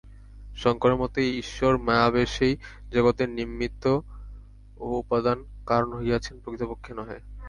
শঙ্করের মতে ঈশ্বর মায়াবশেই জগতের নিমিত্ত ও উপাদান-কারণ হইয়াছেন, প্রকৃতপক্ষে নহে।